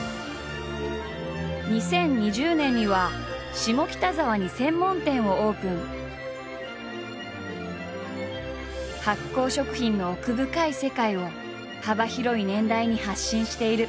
２０２０年には下北沢に発酵食品の奥深い世界を幅広い年代に発信している。